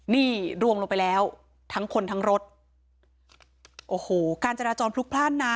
นี่รวงลงไปแล้วทั้งคนทั้งรถโอ้โหการจราจรพลุกพลาดนะ